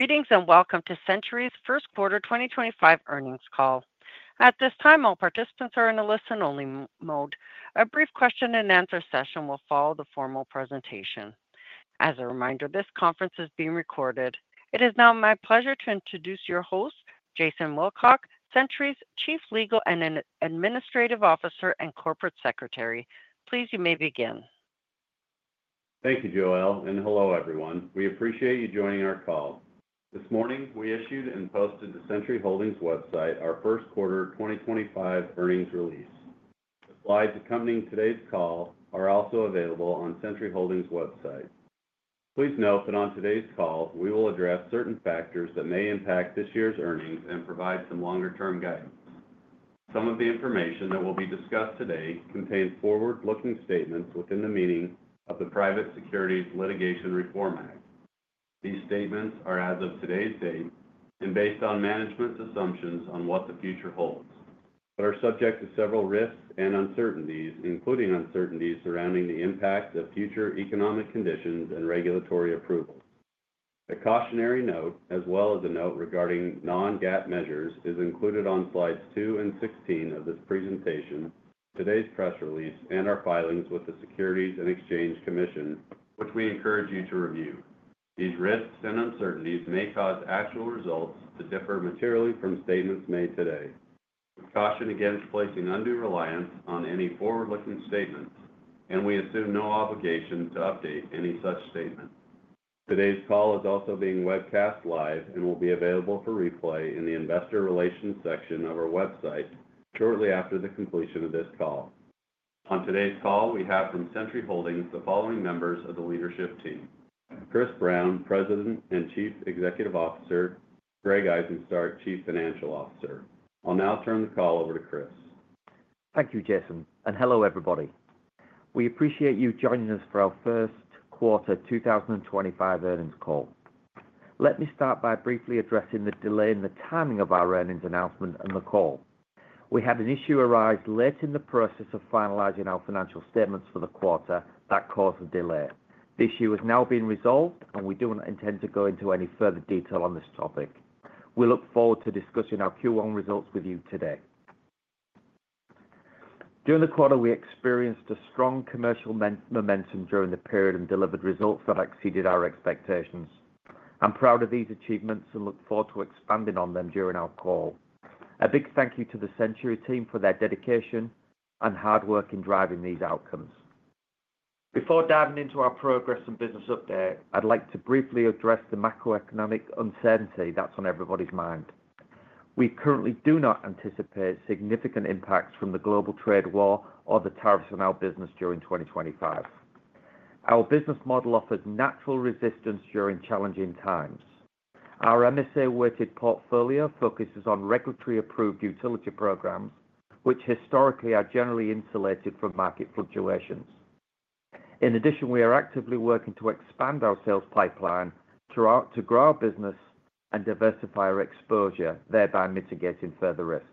Greetings and welcome to Centuri's First Quarter 2025 Earnings Call. At this time, all participants are in a listen-only mode. A brief question-and-answer session will follow the formal presentation. As a reminder, this conference is being recorded. It is now my pleasure to introduce your host, Jason Wilcock, Centuri's Chief Legal and Administrative Officer and Corporate Secretary. Please, you may begin. Thank you, Joelle, and hello, everyone. We appreciate you joining our call. This morning, we issued and posted to Centuri Holdings' website our first quarter 2025 earnings release. The slides accompanying today's call are also available on Centuri Holdings' website. Please note that on today's call, we will address certain factors that may impact this year's earnings and provide some longer-term guidance. Some of the information that will be discussed today contains forward-looking statements within the meaning of the Private Securities Litigation Reform Act. These statements are, as of today's date, based on management's assumptions on what the future holds, but are subject to several risks and uncertainties, including uncertainties surrounding the impact of future economic conditions and regulatory approvals. A cautionary note, as well as a note regarding non-GAAP measures, is included on slides 2 and 16 of this presentation, today's press release, and our filings with the Securities and Exchange Commission, which we encourage you to review. These risks and uncertainties may cause actual results to differ materially from statements made today. We caution against placing undue reliance on any forward-looking statements, and we assume no obligation to update any such statement. Today's call is also being webcast live and will be available for replay in the investor relations section of our website shortly after the completion of this call. On today's call, we have from Centuri Holdings the following members of the leadership team: Chris Brown, President and Chief Executive Officer; Greg Izenstark, Chief Financial Officer. I'll now turn the call over to Chris. Thank you, Jason, and hello, everybody. We appreciate you joining us for our first quarter 2025 earnings call. Let me start by briefly addressing the delay in the timing of our earnings announcement and the call. We had an issue arise late in the process of finalizing our financial statements for the quarter that caused the delay. The issue is now being resolved, and we do not intend to go into any further detail on this topic. We look forward to discussing our Q1 results with you today. During the quarter, we experienced a strong commercial momentum during the period and delivered results that exceeded our expectations. I'm proud of these achievements and look forward to expanding on them during our call. A big thank you to the Centuri team for their dedication and hard work in driving these outcomes. Before diving into our progress and business update, I'd like to briefly address the macroeconomic uncertainty that's on everybody's mind. We currently do not anticipate significant impacts from the global trade war or the tariffs on our business during 2025. Our business model offers natural resistance during challenging times. Our MSA-weighted portfolio focuses on regulatory-approved utility programs, which historically are generally insulated from market fluctuations. In addition, we are actively working to expand our sales pipeline to grow our business and diversify our exposure, thereby mitigating further risk.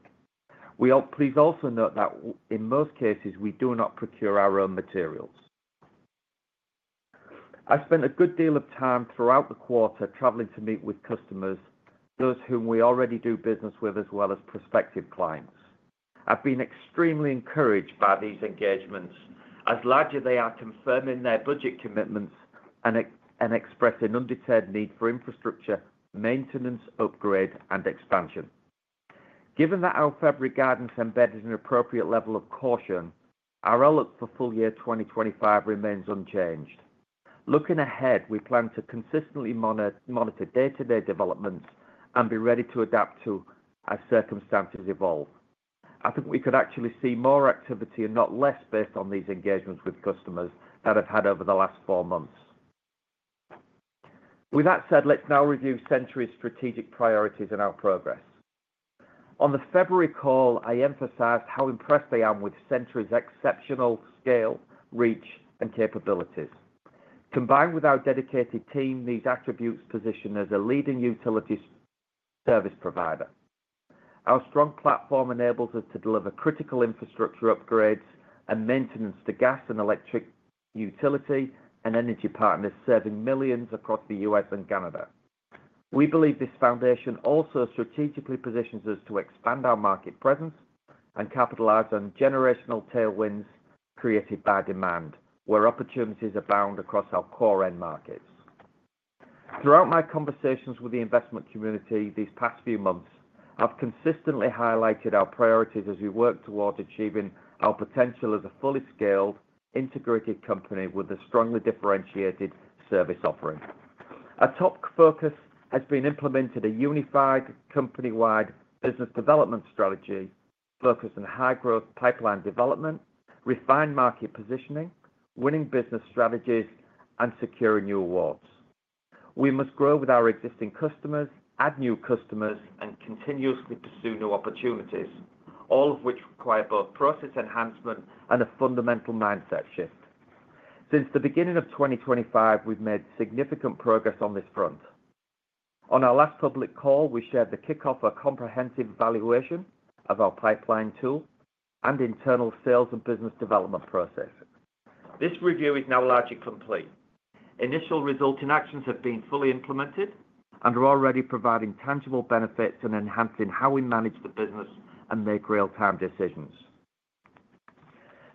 Please also note that in most cases, we do not procure our own materials. I spent a good deal of time throughout the quarter traveling to meet with customers, those whom we already do business with, as well as prospective clients. I've been extremely encouraged by these engagements, as largely they are confirming their budget commitments and expressing an undeterred need for infrastructure, maintenance, upgrade, and expansion. Given that our fabric guidance embedded an appropriate level of caution, our outlook for full year 2025 remains unchanged. Looking ahead, we plan to consistently monitor day-to-day developments and be ready to adapt as circumstances evolve. I think we could actually see more activity and not less based on these engagements with customers that I've had over the last four months. With that said, let's now review Centuri's strategic priorities and our progress. On the February call, I emphasized how impressed I am with Centuri's exceptional scale, reach, and capabilities. Combined with our dedicated team, these attributes position us as a leading utility service provider. Our strong platform enables us to deliver critical infrastructure upgrades and maintenance to gas and electric utility and energy partners serving millions across the U.S. and Canada. We believe this foundation also strategically positions us to expand our market presence and capitalize on generational tailwinds created by demand, where opportunities abound across our core end markets. Throughout my conversations with the investment community these past few months, I've consistently highlighted our priorities as we work towards achieving our potential as a fully scaled, integrated company with a strongly differentiated service offering. Our top focus has been implementing a unified company-wide business development strategy focused on high-growth pipeline development, refined market positioning, winning business strategies, and securing new awards. We must grow with our existing customers, add new customers, and continuously pursue new opportunities, all of which require both process enhancement and a fundamental mindset shift. Since the beginning of 2025, we've made significant progress on this front. On our last public call, we shared the kickoff of a comprehensive evaluation of our pipeline tool and internal sales and business development process. This review is now largely complete. Initial resulting actions have been fully implemented and are already providing tangible benefits and enhancing how we manage the business and make real-time decisions.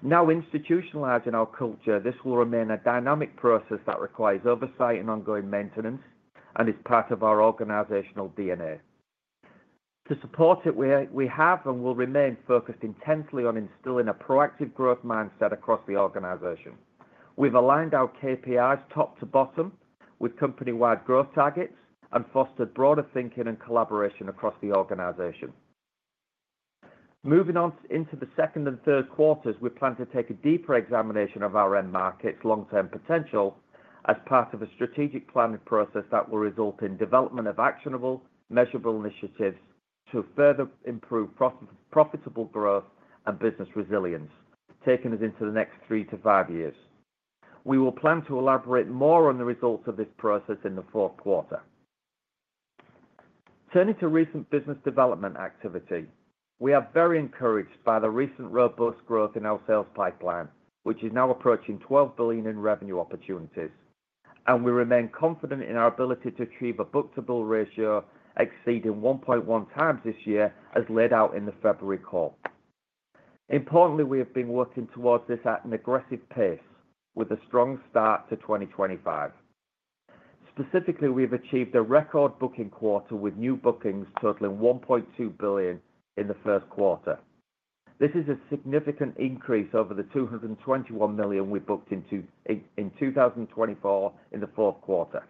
Now institutionalized in our culture, this will remain a dynamic process that requires oversight and ongoing maintenance and is part of our organizational DNA. To support it, we have and will remain focused intensely on instilling a proactive growth mindset across the organization. We've aligned our KPIs top to bottom with company-wide growth targets and fostered broader thinking and collaboration across the organization. Moving on into the second and third quarters, we plan to take a deeper examination of our end market's long-term potential as part of a strategic planning process that will result in the development of actionable, measurable initiatives to further improve profitable growth and business resilience taking us into the next three to five years. We will plan to elaborate more on the results of this process in the fourth quarter. Turning to recent business development activity, we are very encouraged by the recent robust growth in our sales pipeline, which is now approaching $12 billion in revenue opportunities, and we remain confident in our ability to achieve a book-to-bill ratio exceeding 1.1x this year, as laid out in the February call. Importantly, we have been working towards this at an aggressive pace with a strong start to 2025. Specifically, we have achieved a record booking quarter with new bookings totaling $1.2 billion in the first quarter. This is a significant increase over the $221 million we booked in 2024 in the fourth quarter.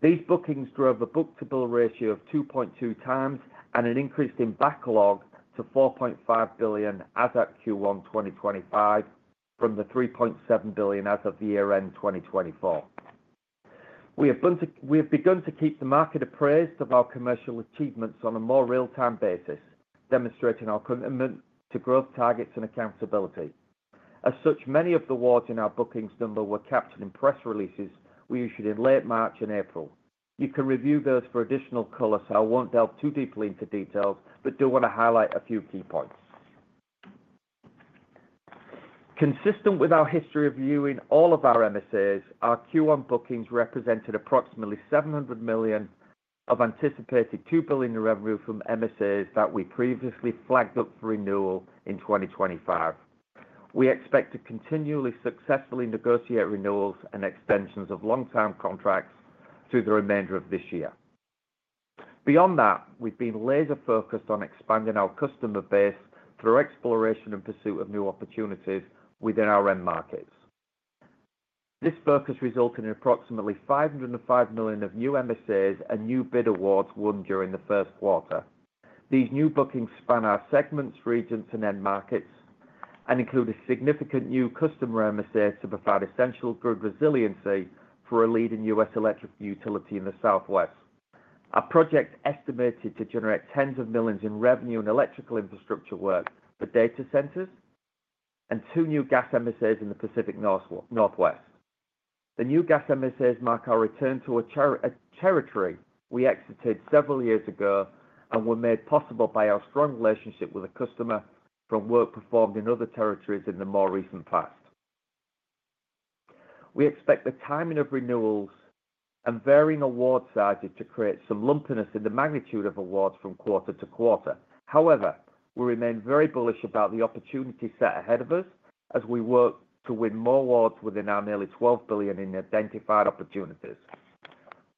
These bookings drove a book-to-bill ratio of 2.2x and an increase in backlog to $4.5 billion as at Q1 2025 from the $3.7 billion as of year-end 2024. We have begun to keep the market appraised of our commercial achievements on a more real-time basis, demonstrating our commitment to growth targets and accountability. As such, many of the awards in our bookings number were captured in press releases we issued in late March and April. You can review those for additional color, so I won't delve too deeply into details, but do want to highlight a few key points. Consistent with our history of viewing all of our MSAs, our Q1 bookings represented approximately $700 million of anticipated $2 billion in revenue from MSAs that we previously flagged up for renewal in 2025. We expect to continually successfully negotiate renewals and extensions of long-term contracts through the remainder of this year. Beyond that, we've been laser-focused on expanding our customer base through exploration and pursuit of new opportunities within our end markets. This focus resulted in approximately $505 million of new MSAs and new bid awards won during the first quarter. These new bookings span our segments, regions, and end markets and include a significant new customer MSA to provide essential grid resiliency for a leading U.S. electric utility in the Southwest. Our project is estimated to generate tens of millions in revenue and electrical infrastructure work for data centers and two new gas MSAs in the Pacific Northwest. The new gas MSAs mark our return to a territory we exited several years ago and were made possible by our strong relationship with the customer from work performed in other territories in the more recent past. We expect the timing of renewals and varying award sizes to create some lumpiness in the magnitude of awards from quarter to quarter. However, we remain very bullish about the opportunity set ahead of us as we work to win more awards within our nearly $12 billion in identified opportunities.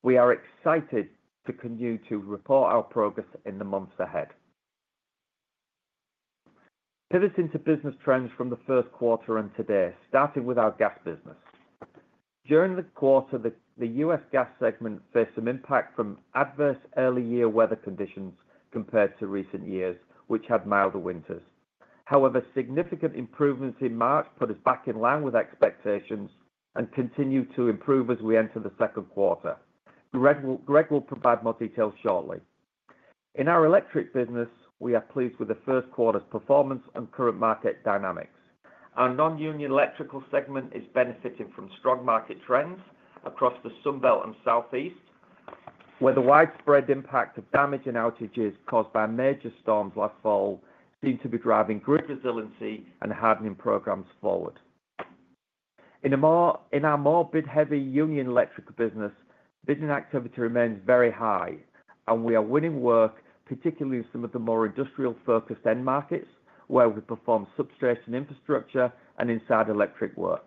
We are excited to continue to report our progress in the months ahead. Pivoting to business trends from the first quarter and today, starting with our gas business. During the quarter, the U.S. gas segment faced some impact from adverse early-year weather conditions compared to recent years, which had milder winters. However, significant improvements in March put us back in line with expectations and continue to improve as we enter the second quarter. Greg will provide more details shortly. In our electric business, we are pleased with the first quarter's performance and current market dynamics. Our non-union electric segment is benefiting from strong market trends across the Sunbelt and Southeast, where the widespread impact of damage and outages caused by major storms last fall seem to be driving grid resiliency and hardening programs forward. In our more bid-heavy union electric business, bidding activity remains very high, and we are winning work, particularly in some of the more industrial-focused end markets, where we perform substation infrastructure and inside electric work.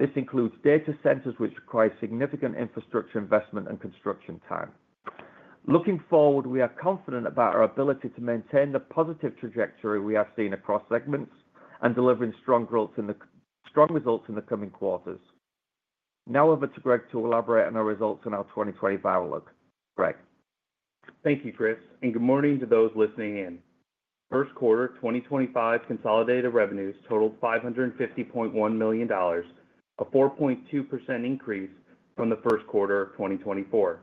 This includes data centers, which require significant infrastructure investment and construction time. Looking forward, we are confident about our ability to maintain the positive trajectory we have seen across segments and delivering strong results in the coming quarters. Now over to Greg to elaborate on our results and our 2025 look. Greg? Thank you, Chris, and good morning to those listening in. First quarter 2025 consolidated revenues totaled $550.1 million, a 4.2% increase from the first quarter of 2024,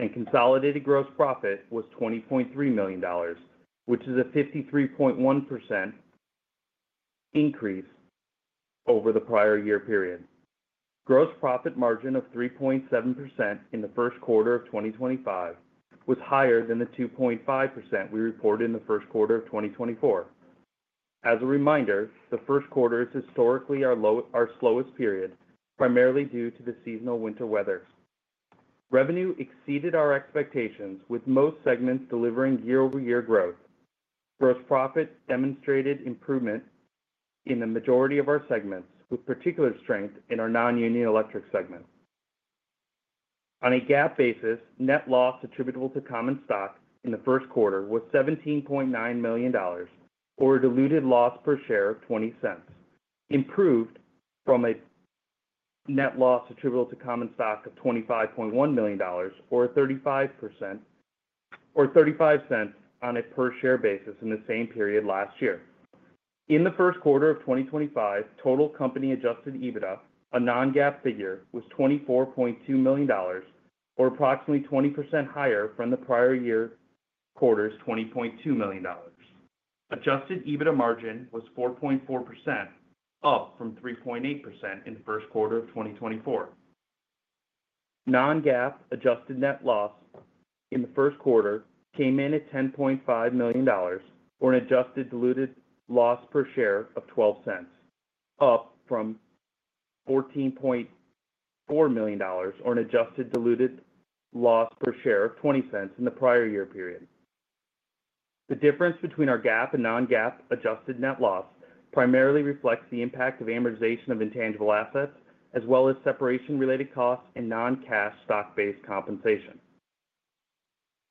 and consolidated gross profit was $20.3 million, which is a 53.1% increase over the prior year period. Gross profit margin of 3.7% in the first quarter of 2025 was higher than the 2.5% we reported in the first quarter of 2024. As a reminder, the first quarter is historically our slowest period, primarily due to the seasonal winter weather. Revenue exceeded our expectations, with most segments delivering year-over-year growth. Gross profit demonstrated improvement in the majority of our segments, with particular strength in our non-union electric segment. On a GAAP basis, net loss attributable to common stock in the first quarter was $17.9 million, or a diluted loss per share of $0.20, improved from a net loss attributable to common stock of $25.1 million, or $0.35 on a per-share basis in the same period last year. In the first quarter of 2025, total company adjusted EBITDA, a non-GAAP figure, was $24.2 million, or approximately 20% higher from the prior year's quarter's $20.2 million. Adjusted EBITDA margin was 4.4%, up from 3.8% in the first quarter of 2024. Non-GAAP adjusted net loss in the first quarter came in at $10.5 million, or an adjusted diluted loss per share of $0.12, up from $14.4 million, or an adjusted diluted loss per share of $0.20 in the prior year period. The difference between our GAAP and non-GAAP adjusted net loss primarily reflects the impact of amortization of intangible assets, as well as separation-related costs and non-cash stock-based compensation.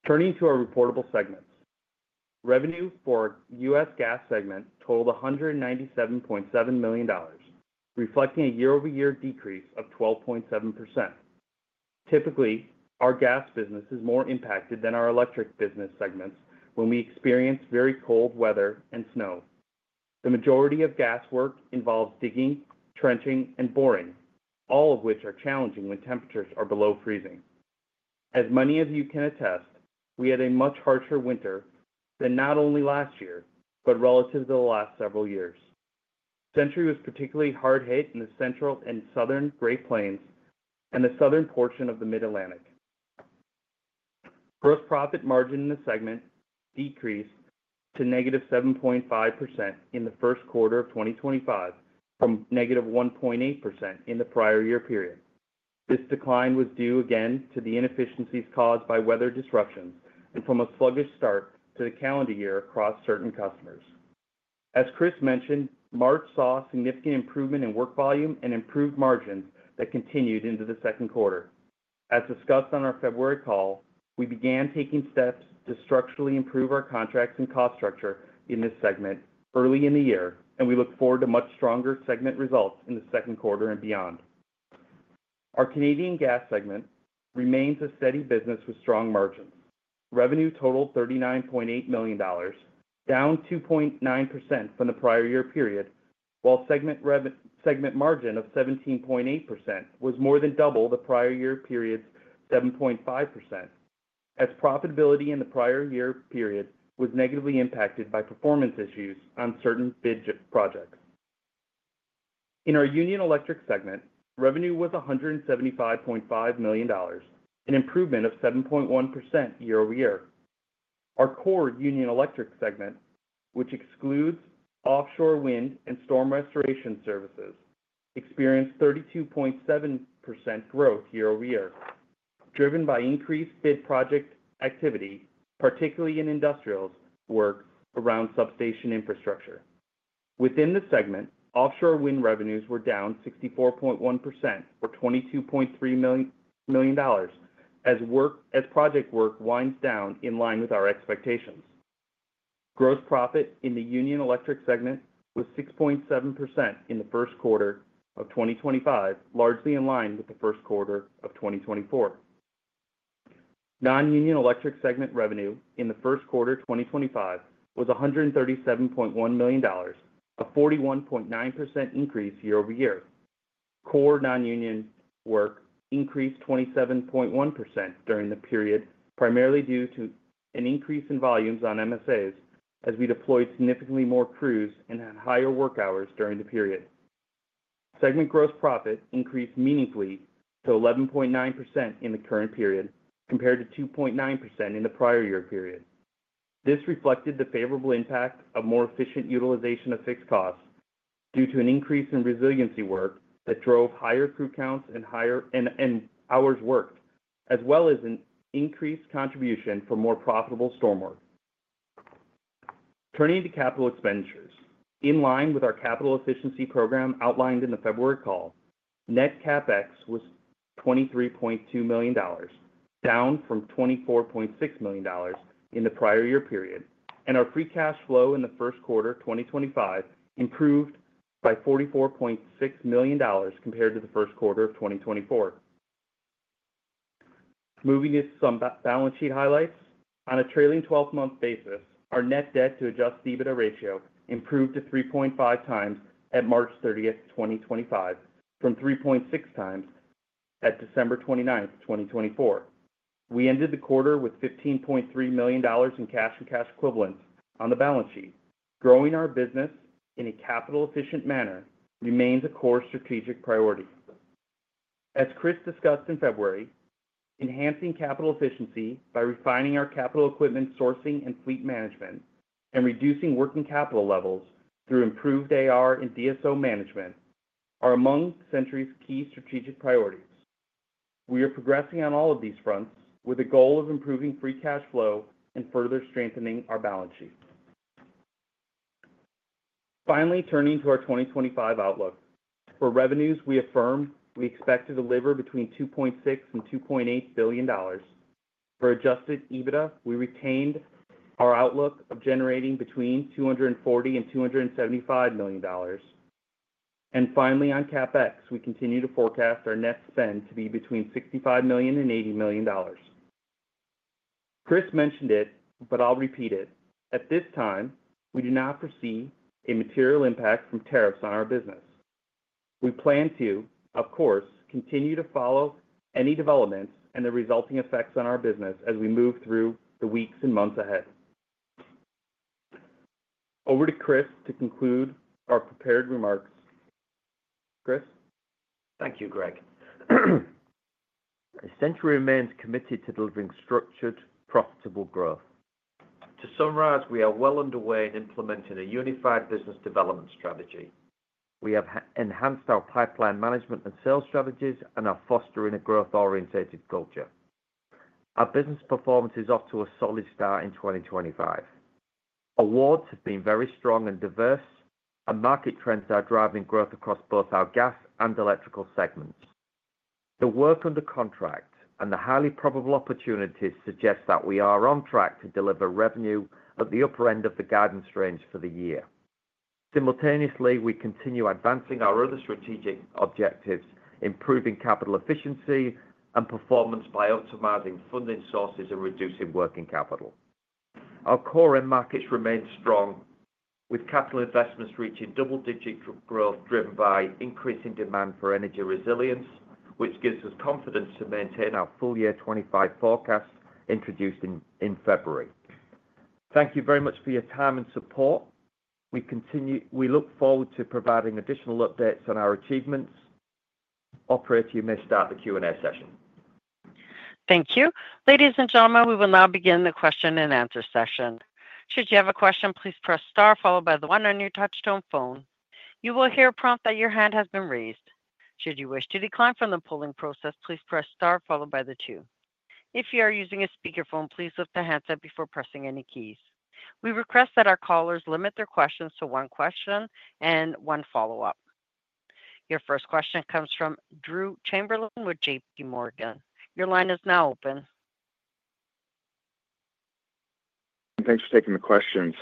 Turning to our reportable segments, revenue for our U.S. gas segment totaled $197.7 million, reflecting a year-over-year decrease of 12.7%. Typically, our gas business is more impacted than our electric business segments when we experience very cold weather and snow. The majority of gas work involves digging, trenching, and boring, all of which are challenging when temperatures are below freezing. As many of you can attest, we had a much harsher winter than not only last year, but relative to the last several years. Centuri was particularly hard hit in the central and southern Great Plains and the southern portion of the Mid-Atlantic. Gross profit margin in the segment decreased to -7.5% in the first quarter of 2025 from -1.8% in the prior year period. This decline was due, again, to the inefficiencies caused by weather disruptions and from a sluggish start to the calendar year across certain customers. As Chris mentioned, March saw significant improvement in work volume and improved margins that continued into the second quarter. As discussed on our February call, we began taking steps to structurally improve our contracts and cost structure in this segment early in the year, and we look forward to much stronger segment results in the second quarter and beyond. Our Canadian gas segment remains a steady business with strong margins. Revenue totaled $39.8 million, down 2.9% from the prior year period, while segment margin of 17.8% was more than double the prior year period's 7.5%, as profitability in the prior year period was negatively impacted by performance issues on certain bid projects. In our union electric segment, revenue was $175.5 million, an improvement of 7.1% year-over-year. Our core union electric segment, which excludes offshore wind and storm restoration services, experienced 32.7% growth year-over-year, driven by increased bid project activity, particularly in industrials work around substation infrastructure. Within the segment, offshore wind revenues were down 64.1%, or $22.3 million, as project work winds down in line with our expectations. Gross profit in the union electric segment was 6.7% in the first quarter of 2025, largely in line with the first quarter of 2024. Non-union electric segment revenue in the first quarter of 2025 was $137.1 million, a 41.9% increase year-over-year. Core non-union work increased 27.1% during the period, primarily due to an increase in volumes on MSAs as we deployed significantly more crews and had higher work hours during the period. Segment gross profit increased meaningfully to 11.9% in the current period compared to 2.9% in the prior year period. This reflected the favorable impact of more efficient utilization of fixed costs due to an increase in resiliency work that drove higher crew counts and hours worked, as well as an increased contribution for more profitable storm work. Turning to capital expenditures, in line with our capital efficiency program outlined in the February call, net CapEx was $23.2 million, down from $24.6 million in the prior year period, and our free cash flow in the first quarter of 2025 improved by $44.6 million compared to the first quarter of 2024. Moving into some balance sheet highlights, on a trailing 12-month basis, our net debt-to-adjusted EBITDA ratio improved to 3.5x at March 30, 2025, from 3.6x at December 29, 2024. We ended the quarter with $15.3 million in cash and cash equivalents on the balance sheet. Growing our business in a capital-efficient manner remains a core strategic priority. As Chris discussed in February, enhancing capital efficiency by refining our capital equipment sourcing and fleet management and reducing working capital levels through improved AR and DSO management are among Centuri's key strategic priorities. We are progressing on all of these fronts with a goal of improving free cash flow and further strengthening our balance sheet. Finally, turning to our 2025 outlook, for revenues, we affirmed we expect to deliver between $2.6 billion and $2.8 billion. For adjusted EBITDA, we retained our outlook of generating between $240 million and $275 million. Finally, on CapEx, we continue to forecast our net spend to be between $65 million and $80 million. Chris mentioned it, but I'll repeat it. At this time, we do not foresee a material impact from tariffs on our business. We plan to, of course, continue to follow any developments and the resulting effects on our business as we move through the weeks and months ahead. Over to Chris to conclude our prepared remarks. Chris? Thank you, Greg. Centuri remains committed to delivering structured, profitable growth. To summarize, we are well underway in implementing a unified business development strategy. We have enhanced our pipeline management and sales strategies and are fostering a growth-orientated culture. Our business performance is off to a solid start in 2025. Awards have been very strong and diverse, and market trends are driving growth across both our gas and electric segments. The work under contract and the highly probable opportunities suggest that we are on track to deliver revenue at the upper end of the guidance range for the year. Simultaneously, we continue advancing our other strategic objectives, improving capital efficiency and performance by optimizing funding sources and reducing working capital. Our core end markets remain strong, with capital investments reaching double-digit growth driven by increasing demand for energy resilience, which gives us confidence to maintain our full-year 2025 forecast introduced in February. Thank you very much for your time and support. We look forward to providing additional updates on our achievements. Operator, you may start the Q&A session. Thank you. Ladies and gentlemen, we will now begin the question-and-answer session. Should you have a question, please press star followed by the one on your touch-tone phone. You will hear a prompt that your hand has been raised. Should you wish to decline from the polling process, please press star followed by the two. If you are using a speakerphone, please lift the handset before pressing any keys. We request that our callers limit their questions to one question and one follow-up. Your first question comes from Drew Chamberlain with J.P. Morgan. Your line is now open. Thanks for taking the questions.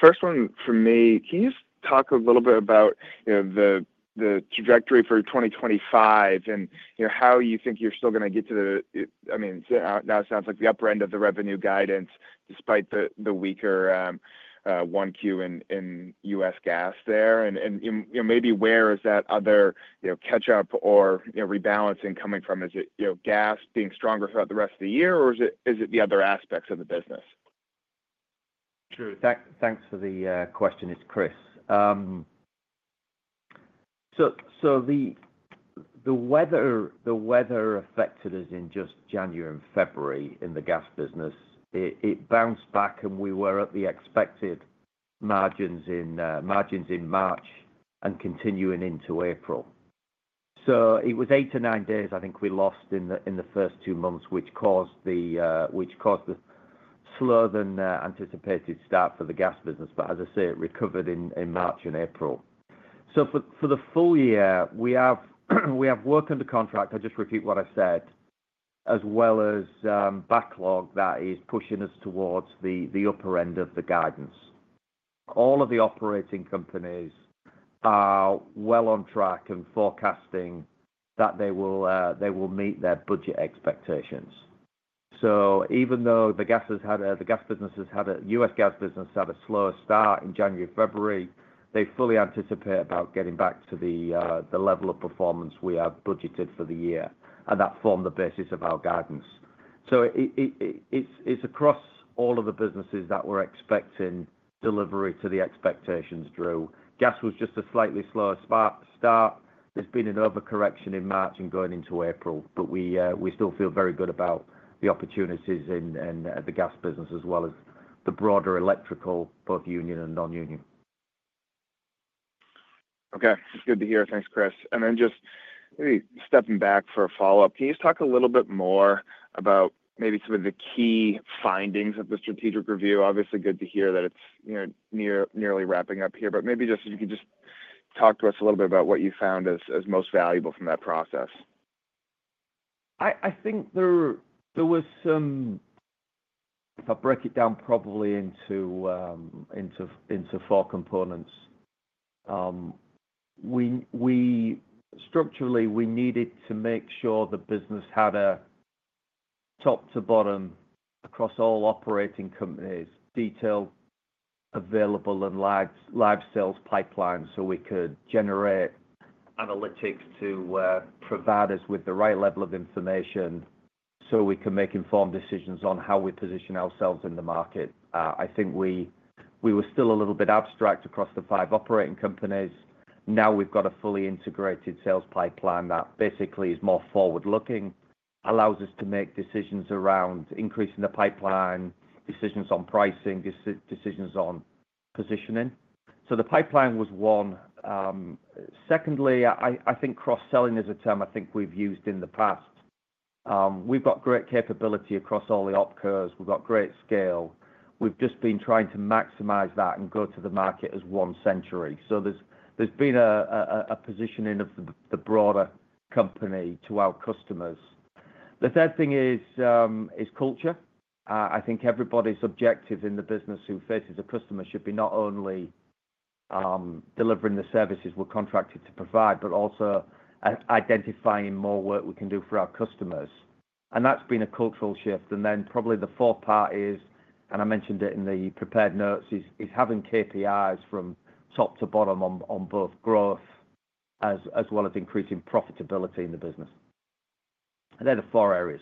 First one for me, can you just talk a little bit about the trajectory for 2025 and how you think you're still going to get to the—I mean, now it sounds like the upper end of the revenue guidance, despite the weaker Q1 in U.S. gas there. And maybe where is that other catch-up or rebalancing coming from? Is it gas being stronger throughout the rest of the year, or is it the other aspects of the business? Drew, thanks for the question. It's Chris. The weather affected us in just January and February in the gas business, it bounced back, and we were at the expected margins in March and continuing into April. It was eight to nine days, I think, we lost in the first two months, which caused the slower-than-anticipated start for the gas business. As I say, it recovered in March and April. For the full year, we have work under contract. I'll just repeat what I said, as well as backlog that is pushing us towards the upper end of the guidance. All of the operating companies are well on track and forecasting that they will meet their budget expectations. Even though the gas business has had a—U.S. gas business had a slower start in January and February, they fully anticipate about getting back to the level of performance we have budgeted for the year, and that formed the basis of our guidance. It is across all of the businesses that we are expecting delivery to the expectations, Drew. Gas was just a slightly slower start. There has been an overcorrection in March and going into April, but we still feel very good about the opportunities in the gas business, as well as the broader electrical, both union and non-union. Okay. It's good to hear. Thanks, Chris. Maybe stepping back for a follow-up, can you just talk a little bit more about maybe some of the key findings of the strategic review? Obviously, good to hear that it's nearly wrapping up here, but maybe just if you could just talk to us a little bit about what you found as most valuable from that process. I think there was some—if I break it down probably into four components. Structurally, we needed to make sure the business had a top-to-bottom across all operating companies, detailed available and live sales pipeline so we could generate analytics to provide us with the right level of information so we can make informed decisions on how we position ourselves in the market. I think we were still a little bit abstract across the five operating companies. Now we have got a fully integrated sales pipeline that basically is more forward-looking, allows us to make decisions around increasing the pipeline, decisions on pricing, decisions on positioning. The pipeline was one. Secondly, I think cross-selling is a term I think we have used in the past. We have got great capability across all the OpCos. We have got great scale. We have just been trying to maximize that and go to the market as one Centuri. There has been a positioning of the broader company to our customers. The third thing is culture. I think everybody's objectives in the business who faces a customer should be not only delivering the services we're contracted to provide, but also identifying more work we can do for our customers. That's been a cultural shift. Probably the fourth part is, and I mentioned it in the prepared notes, having KPIs from top to bottom on both growth as well as increasing profitability in the business. They're the four areas.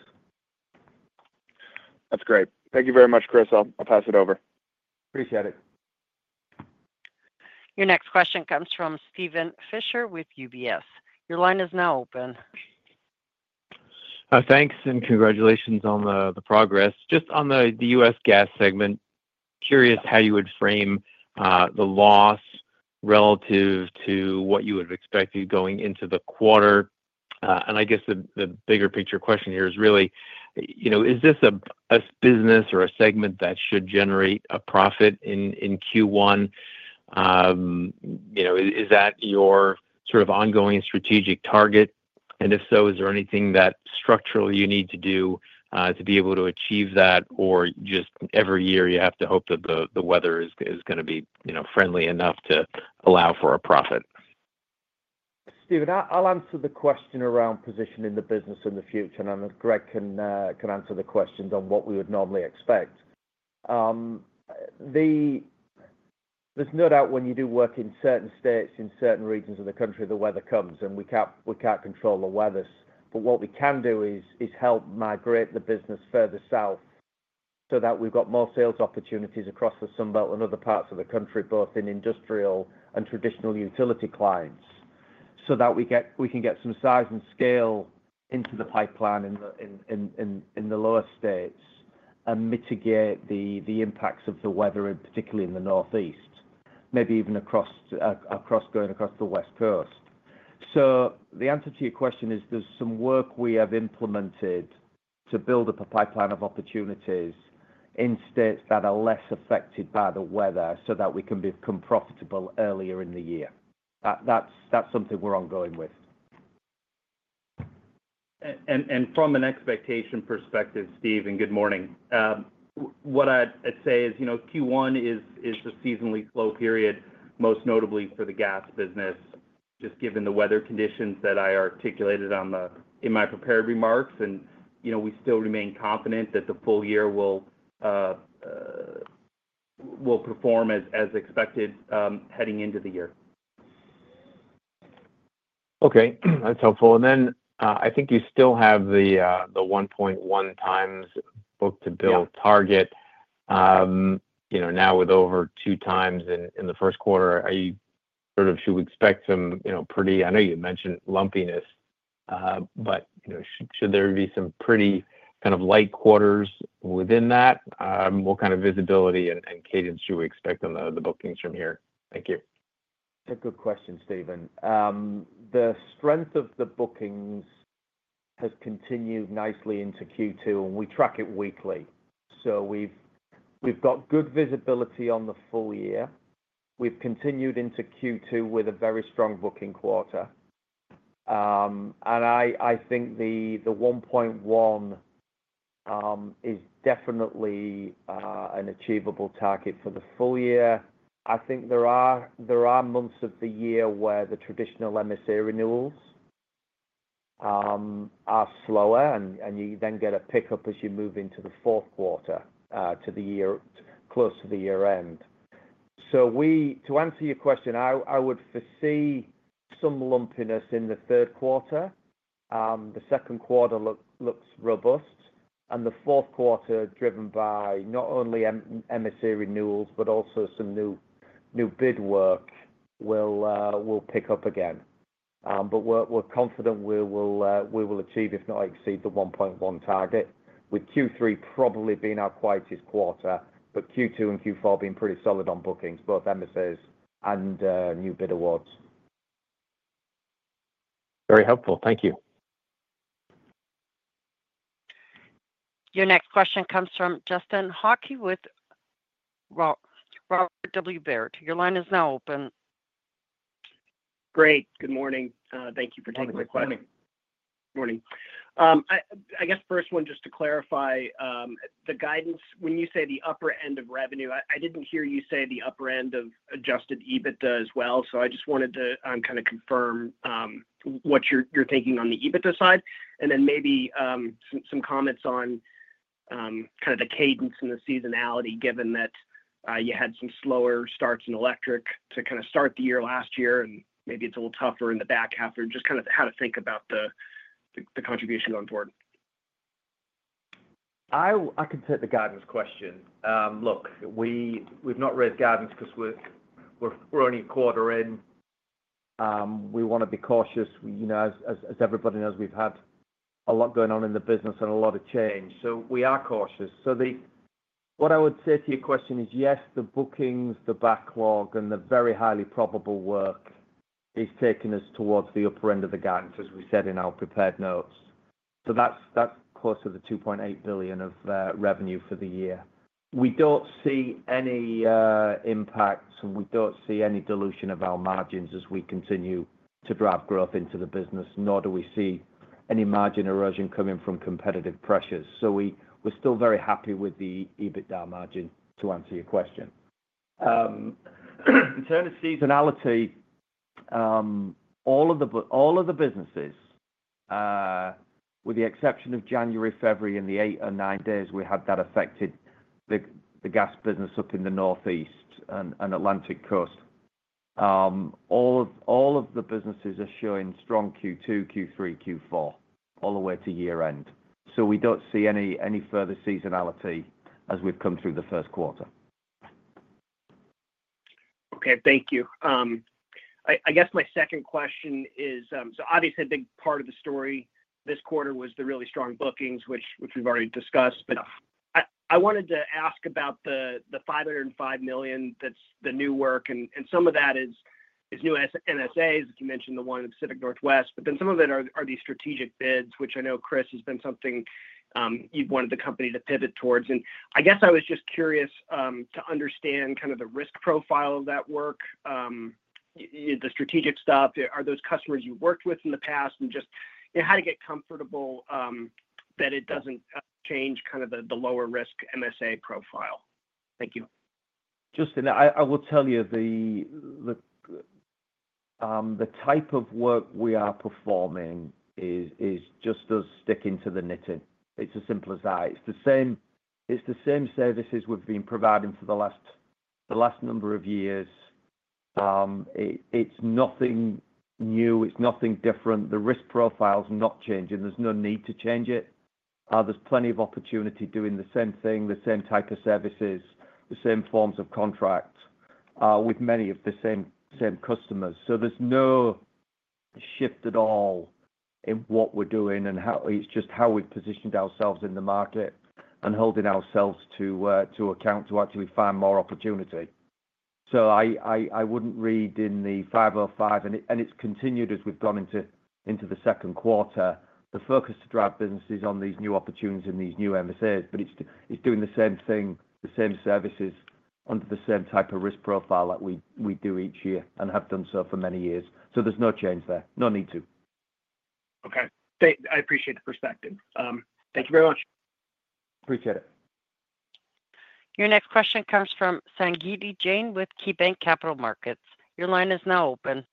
That's great. Thank you very much, Chris. I'll pass it over. Appreciate it. Your next question comes from Steven Fisher with UBS. Your line is now open. Thanks, and congratulations on the progress. Just on the U.S. gas segment, curious how you would frame the loss relative to what you would have expected going into the quarter. I guess the bigger picture question here is really, is this a business or a segment that should generate a profit in Q1? Is that your sort of ongoing strategic target? If so, is there anything that structurally you need to do to be able to achieve that, or just every year you have to hope that the weather is going to be friendly enough to allow for a profit? Steven, I'll answer the question around positioning the business in the future, and then Greg can answer the questions on what we would normally expect. There's no doubt when you do work in certain states, in certain regions of the country, the weather comes, and we can't control the weather. What we can do is help migrate the business further south so that we've got more sales opportunities across the Sunbelt and other parts of the country, both in industrial and traditional utility clients, so that we can get some size and scale into the pipeline in the lower states and mitigate the impacts of the weather, particularly in the Northeast, maybe even going across the West Coast. The answer to your question is there's some work we have implemented to build up a pipeline of opportunities in states that are less affected by the weather so that we can become profitable earlier in the year. That's something we're ongoing with. From an expectation perspective, Steven, good morning. What I'd say is Q1 is a seasonally slow period, most notably for the gas business, just given the weather conditions that I articulated in my prepared remarks. We still remain confident that the full year will perform as expected heading into the year. Okay. That's helpful. I think you still have the 1.1x book-to-bill target. Now with over 2x in the first quarter, should we expect some pretty—I know you mentioned lumpiness, but should there be some pretty kind of light quarters within that? What kind of visibility and cadence should we expect on the bookings from here? Thank you. That's a good question, Steven. The strength of the bookings has continued nicely into Q2, and we track it weekly. So we've got good visibility on the full year. We've continued into Q2 with a very strong booking quarter. I think the 1.1x is definitely an achievable target for the full year. I think there are months of the year where the traditional MSA renewals are slower, and you then get a pickup as you move into the fourth quarter to the year close to the year end. To answer your question, I would foresee some lumpiness in the third quarter. The second quarter looks robust, and the fourth quarter, driven by not only MSA renewals but also some new bid work, will pick up again. We are confident we will achieve, if not exceed, the 1.1x target, with Q3 probably being our quietest quarter, but Q2 and Q4 being pretty solid on bookings, both MSAs and new bid awards. Very helpful. Thank you. Your next question comes from Justin Hawke with Robert W. Baird. Your line is now open. Great. Good morning. Thank you for taking the question. Morning. Morning. I guess first one, just to clarify, the guidance, when you say the upper end of revenue, I did not hear you say the upper end of adjusted EBITDA as well. So I just wanted to kind of confirm what you are thinking on the EBITDA side and then maybe some comments on kind of the cadence and the seasonality, given that you had some slower starts in electric to kind of start the year last year, and maybe it is a little tougher in the back half or just kind of how to think about the contribution going forward. I can take the guidance question. Look, we've not raised guidance because we're only a quarter in. We want to be cautious. As everybody knows, we've had a lot going on in the business and a lot of change. So we are cautious. What I would say to your question is, yes, the bookings, the backlog, and the very highly probable work is taking us towards the upper end of the guidance, as we said in our prepared notes. That's closer to $2.8 billion of revenue for the year. We don't see any impacts, and we don't see any dilution of our margins as we continue to drive growth into the business, nor do we see any margin erosion coming from competitive pressures. We're still very happy with the EBITDA margin, to answer your question. In terms of seasonality, all of the businesses, with the exception of January, February, and the eight and nine days we had that affected the gas business up in the Northeast and Atlantic Coast, all of the businesses are showing strong Q2, Q3, Q4 all the way to year end. We do not see any further seasonality as we have come through the first quarter. Okay. Thank you. I guess my second question is, so obviously, a big part of the story this quarter was the really strong bookings, which we've already discussed, but I wanted to ask about the $505 million that's the new work. And some of that is new MSAs, as you mentioned, the one in Pacific Northwest, but then some of it are these strategic bids, which I know Chris has been something you've wanted the company to pivot towards. I guess I was just curious to understand kind of the risk profile of that work, the strategic stuff. Are those customers you've worked with in the past? And just how to get comfortable that it doesn't change kind of the lower-risk MSA profile? Thank you. Justin, I will tell you the type of work we are performing just does stick into the knitting. It's as simple as that. It's the same services we've been providing for the last number of years. It's nothing new. It's nothing different. The risk profile's not changing. There's no need to change it. There's plenty of opportunity doing the same thing, the same type of services, the same forms of contract with many of the same customers. There's no shift at all in what we're doing, and it's just how we've positioned ourselves in the market and holding ourselves to account to actually find more opportunity. I wouldn't read in the 505, and it's continued as we've gone into the second quarter. The focus to drive business is on these new opportunities and these new MSAs, but it's doing the same thing, the same services under the same type of risk profile that we do each year and have done so for many years. There is no change there. No need to. Okay. I appreciate the perspective. Thank you very much. Appreciate it. Your next question comes from Sangita Jain with KeyBanc Capital Markets. Your line is now open.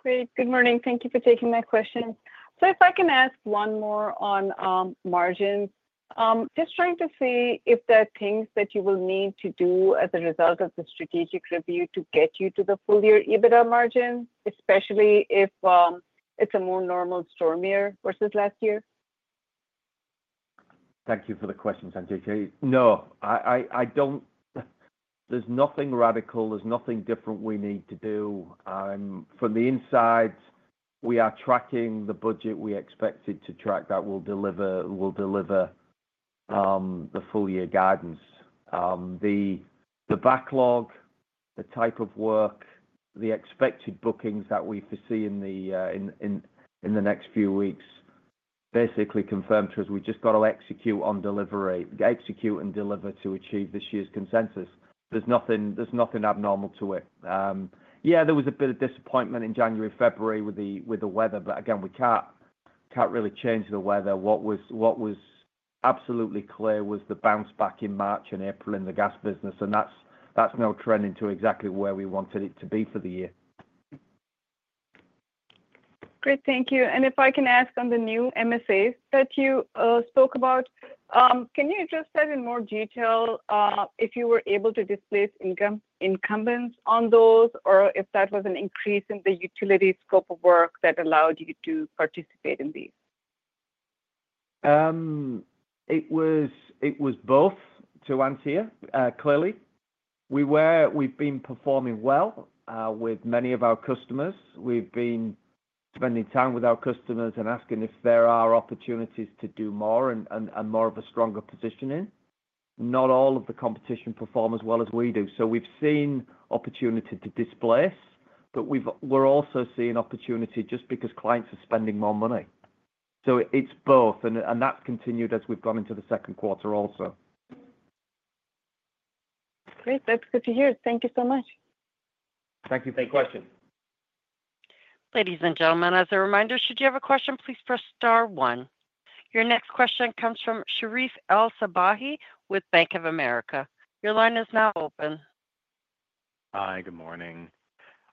Great. Good morning. Thank you for taking my question. If I can ask one more on margins, just trying to see if there are things that you will need to do as a result of the strategic review to get you to the full-year EBITDA margin, especially if it's a more normal storm year versus last year. Thank you for the question, Sangita Jain. No. There's nothing radical. There's nothing different we need to do. From the inside, we are tracking the budget we expected to track that will deliver the full-year guidance. The backlog, the type of work, the expected bookings that we foresee in the next few weeks basically confirm to us we just got to execute and deliver to achieve this year's consensus. There's nothing abnormal to it. Yeah, there was a bit of disappointment in January and February with the weather, but again, we can't really change the weather. What was absolutely clear was the bounce back in March and April in the gas business, and that's now trending to exactly where we wanted it to be for the year. Great. Thank you. If I can ask on the new MSAs that you spoke about, can you just tell in more detail if you were able to displace incumbents on those or if that was an increase in the utility scope of work that allowed you to participate in these? It was both to answer you clearly. We've been performing well with many of our customers. We've been spending time with our customers and asking if there are opportunities to do more and more of a stronger positioning. Not all of the competition perform as well as we do. We've seen opportunity to displace, but we're also seeing opportunity just because clients are spending more money. It is both, and that's continued as we've gone into the second quarter also. Great. That's good to hear. Thank you so much. Thank you for the question. Ladies and gentlemen, as a reminder, should you have a question, please press star one. Your next question comes from Sherif El-Sabbahy with Bank of America. Your line is now open. Hi. Good morning.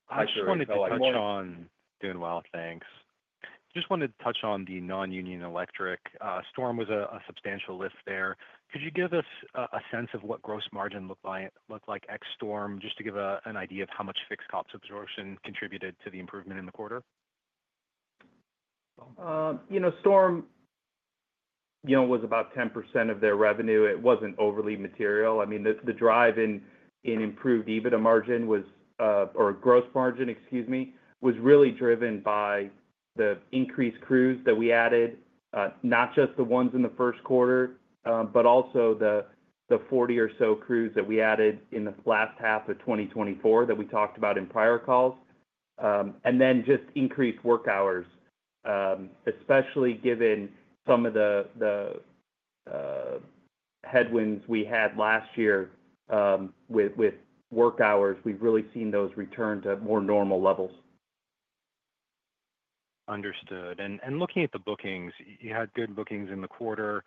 I just wanted to touch on. Hi, Sherif. Doing well. Thanks. Just wanted to touch on the non-union electric. Storm was a substantial lift there. Could you give us a sense of what gross margin looked like ex-storm, just to give an idea of how much fixed cost absorption contributed to the improvement in the quarter? Storm was about 10% of their revenue. It wasn't overly material. I mean, the drive in improved EBITDA margin or gross margin, excuse me, was really driven by the increased crews that we added, not just the ones in the first quarter, but also the 40 or so crews that we added in the last half of 2024 that we talked about in prior calls, and then just increased work hours, especially given some of the headwinds we had last year with work hours. We've really seen those return to more normal levels. Understood. Looking at the bookings, you had good bookings in the quarter.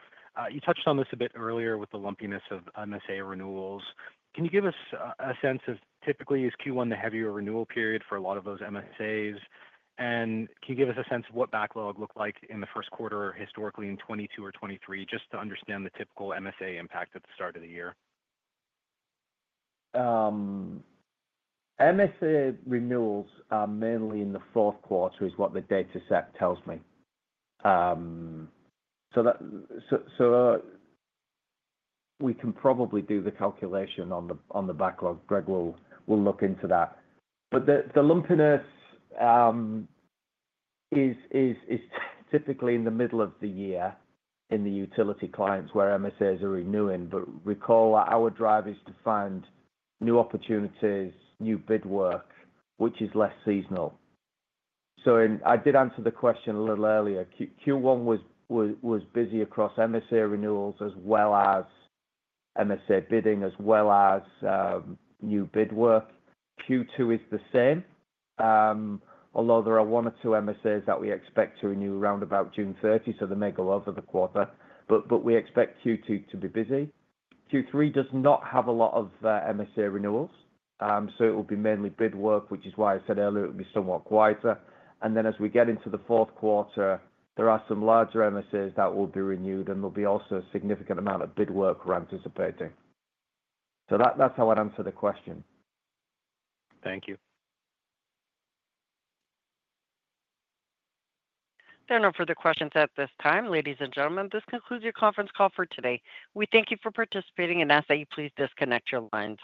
You touched on this a bit earlier with the lumpiness of MSA renewals. Can you give us a sense of typically, is Q1 the heavier renewal period for a lot of those MSAs? Can you give us a sense of what backlog looked like in the first quarter historically in 2022 or 2023, just to understand the typical MSA impact at the start of the year? MSA renewals are mainly in the fourth quarter, is what the data set tells me. We can probably do the calculation on the backlog. Greg will look into that. The lumpiness is typically in the middle of the year in the utility clients where MSAs are renewing. Recall, our drive is to find new opportunities, new bid work, which is less seasonal. I did answer the question a little earlier. Q1 was busy across MSA renewals as well as MSA bidding as well as new bid work. Q2 is the same, although there are one or two MSAs that we expect to renew around about June 30, so they may go over the quarter, but we expect Q2 to be busy. Q3 does not have a lot of MSA renewals, so it will be mainly bid work, which is why I said earlier it would be somewhat quieter. As we get into the fourth quarter, there are some larger MSAs that will be renewed, and there'll be also a significant amount of bid work we're anticipating. That's how I'd answer the question. Thank you. There are no further questions at this time. Ladies and gentlemen, this concludes your conference call for today. We thank you for participating and ask that you please disconnect your lines.